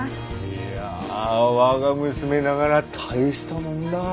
いや我が娘ながら大したもんだぁ。